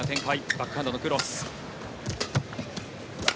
バックハンドのクロス。